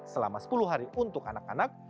selama sepuluh hari untuk anak anak